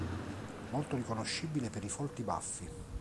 Molto riconoscibile per i folti baffi.